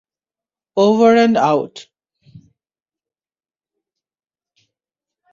Over and out!